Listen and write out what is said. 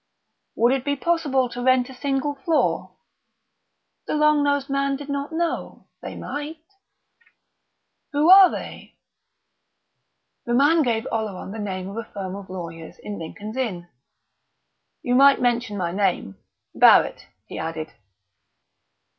"Would it be possible to rent a single floor?" The long nosed man did not know; they might.... "Who are they?" The man gave Oleron the name of a firm of lawyers in Lincoln's Inn. "You might mention my name Barrett," he added.